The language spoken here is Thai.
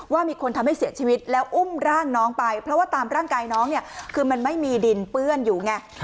ว่ามีคนทำให้เสียชีวิตแล้วอุ้มร่างน้องไปเพราะว่าตามร่างกายน้องเนี่ยคือมันไม่มีดินเปื้อนอยู่ไง